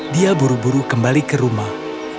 dia buru buru kembali ke rumah